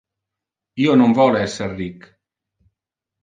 Io non vole esser ric.